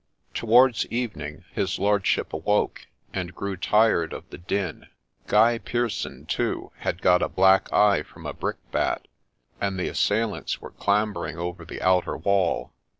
Towards evening his lordship awoke, and grew tired of the din. Guy Pearson, too, had got a black eye from a brickbat, and the assailants were clambering over the outer wall.